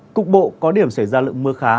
cục bộ có điểm xảy ra lượng mưa khá